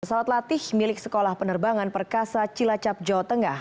pesawat latih milik sekolah penerbangan perkasa cilacap jawa tengah